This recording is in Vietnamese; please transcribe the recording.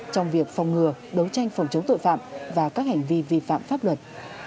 trong việc phòng ngừa đấu tranh phòng chống tội phạm và các hành vi vi phạm pháp luật